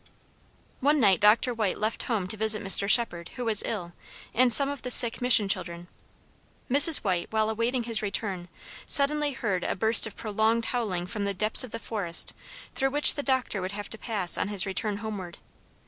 One night Doctor White left home to visit Mr. Shepherd, who was ill, and some of the sick mission children. Mrs. White, while awaiting his return, suddenly heard a burst of prolonged howling from the depths of the forest through which the Doctor would have to pass on his return homeward.